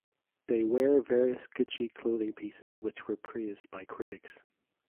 They wear various Gucci clothing pieces which were praised by critics.